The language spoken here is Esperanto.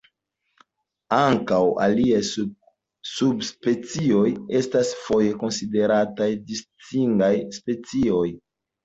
Ankaŭ aliaj subspecioj estas foje konsiderataj distingaj specioj.